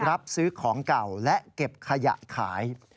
รับซื้อของเก่าและเก็บขยะขาย